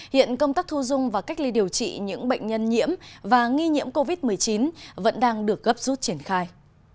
hiện công tác thu dung và cách ly điều trị những bệnh nhân nhiễm và nghi nhiễm covid một mươi chín vẫn đang được gấp rút triển khai